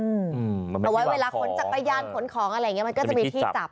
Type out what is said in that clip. เวลาอ๋นของเอาไว้เวลาขนจักโปยันขนของอะไรเงี้ยมันก็จะมีที่จับ